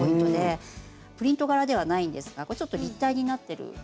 プリント柄ではないんですがちょっと立体になってる。